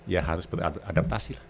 ya harus beradaptasi lah